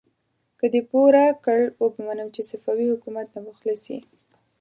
که دې پوره کړ، وبه منم چې صفوي حکومت ته مخلص يې!